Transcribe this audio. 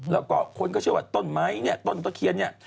แล้วก็คนก็เชื่อว่าต้นไม้เนี่ยต้นตะเคียนเนี่ย